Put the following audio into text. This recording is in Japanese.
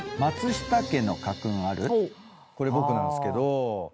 これ僕なんですけど。